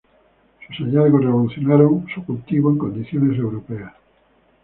Sus hallazgos revolucionaron su cultivo en condiciones europeas.